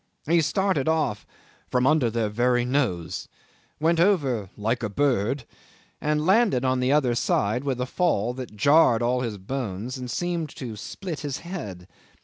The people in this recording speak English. He started off "from under his very nose," went over "like a bird," and landed on the other side with a fall that jarred all his bones and seemed to split his head.